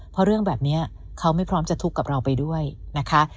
เพราะเรื่องแบบนี้เขาไม่พร้อมจะทุกข์กับเราไปด้วยนะคะ